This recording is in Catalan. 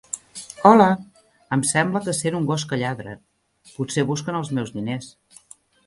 Hola! Em sembla que sent un gos que lladra. Potser busquen els meus diners.